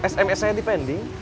sms nya depending